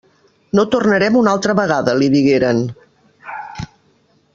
«No tornarem una altra vegada», li digueren.